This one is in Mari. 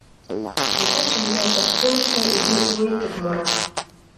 Вӱта шеҥгел тошкемыште изи уэтик мура: